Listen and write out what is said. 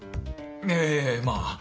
ええまあ。